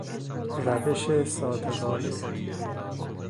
روش صادقانه